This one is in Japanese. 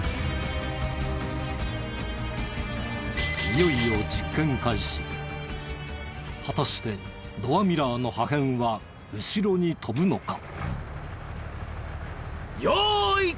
いよいよ果たしてドアミラーの破片は後ろに飛ぶのか？